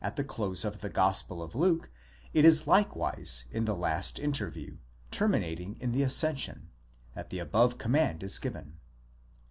the close of the gospel of Luke it is likewise in the last interview, terminating in the ascension, that the above command is given.